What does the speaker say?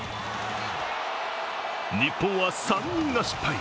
日本は３人が失敗。